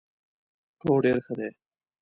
هو، ډیر ښه دي